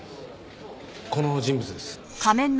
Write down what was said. この人物です。